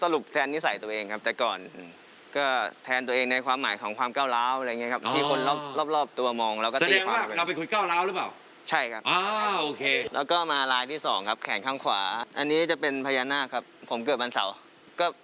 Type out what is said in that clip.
รอยแรกเลยครับฟังอันนี้คือรอยแรกที่สับ